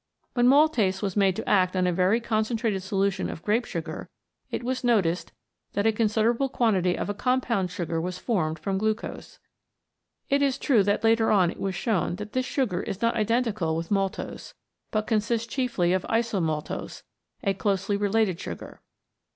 When maltase was made to act on a very concen trated solution of grape sugar, it was noticed that a considerable quantity of a compound sugar was formed from glucose. It is true that later on it was shown that this sugar is not identical with maltose, but consists chiefly of isomaltose, a closely related sugar.